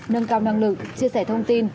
nâng cao năng lực chia sẻ thông tin